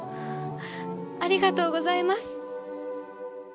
ありがとうございます。